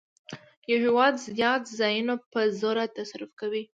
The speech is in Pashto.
یو هېواد زیات ځایونه په زور تصرف کوي